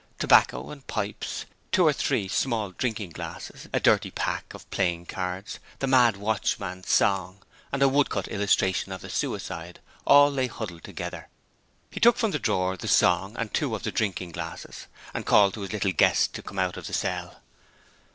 Tobacco and pipes; two or three small drinking glasses; a dirty pack of playing cards; the mad watchman's song, with a woodcut illustration of the suicide all lay huddled together. He took from the drawer the song, and two of the drinking glasses, and called to his little guest to come out of the cell.